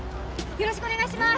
よろしくお願いします